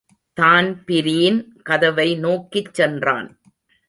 Dan Breen கதவை நோக்கிச் சென்றான்.